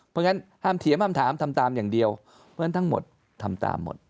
เพราะฉะนั้นห้ามเถียงห้ามถามทำตามอย่างเดียวเพราะฉะนั้นทั้งหมดทำตามหมด